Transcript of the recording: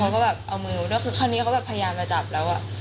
แล้วเขาก็เอามือมาด้วยคือคราวนี้เขาพยายามมาจับแล้วอะ